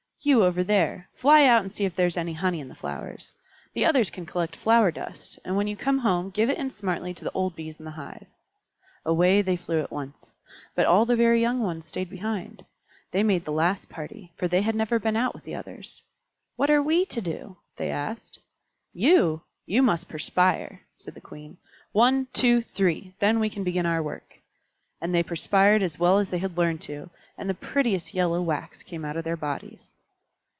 "You over there, fly out and see if there is any honey in the flowers. The others can collect flower dust, and when you come home give it in smartly to the old Bees in the hive." Away they flew at once. But all the very young ones stayed behind. They made the last party, for they had never been out with the others. "What are we to do?" they asked. "You! you must perspire," said the Queen. "One, two, three! Then we can begin our work." And they perspired as well as they had learned to, and the prettiest yellow wax came out of their bodies.